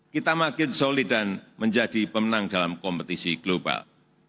kita makin solid dan menjadi pemenang dalam kompetisi global